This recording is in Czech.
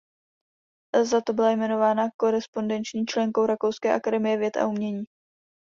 Za to byla jmenována korespondenční členkou Rakouské akademie věd a umění.